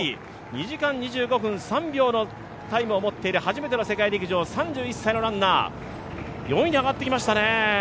２時間２５分３秒のタイムを持つ初めての世界陸上、３１歳のランナー、４位に上がってきましたね。